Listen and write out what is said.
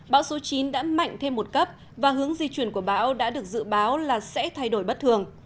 bão số chín đã mạnh thêm một cấp và hướng di chuyển của bão đã được dự báo là sẽ thay đổi bất thường